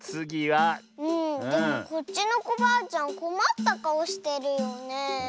でもこっちのコバアちゃんこまったかおしてるよねえ。